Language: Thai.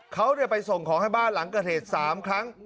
เขาไปส่งของให้บ้านหลังเกิดเหตุ๓ครั้ง